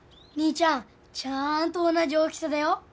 兄ちゃんちゃんと同じ大きさだよ！